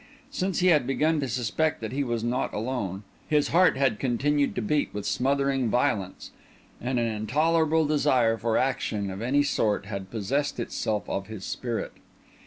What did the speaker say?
Since he had begun to suspect that he was not alone, his heart had continued to beat with smothering violence, and an intolerable desire for action of any sort had possessed itself of his spirit.